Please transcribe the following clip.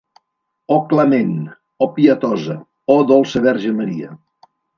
Oh clement, Oh pietosa, Oh dolça Verge Maria.